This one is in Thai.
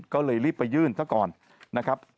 ก็เลยรีบไปยื่นซะก่อนนะครับ